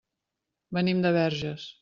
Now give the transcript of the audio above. Venim de Verges.